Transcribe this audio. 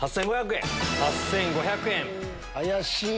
８５００円。